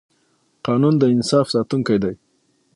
قانون د انصاف ساتونکی دی